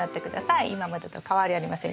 今までと変わりありません。